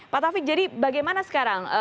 pak taufik jadi bagaimana sekarang